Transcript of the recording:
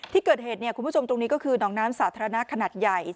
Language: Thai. ที่เกิดเหตุเนี่ยคุณผู้ชมตรงนี้ก็คือหนองน้ำสาธารณะขนาดใหญ่